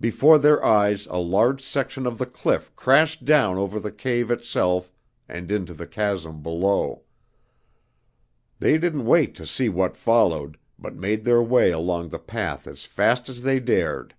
Before their eyes a large section of the cliff crashed down over the cave itself and into the chasm below. They didn't wait to see what followed, but made their way along the path as fast as they dared.